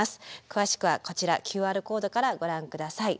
詳しくはこちらＱＲコードからご覧下さい。